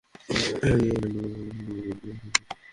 ও একজনকে বিয়ে করে নেবে এবং দোকানের উত্তরাধিকারী হয়ে যাবে।